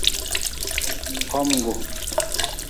Homga.